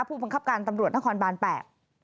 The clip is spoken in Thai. ผู้บังคับการตำรวจนครบานแปด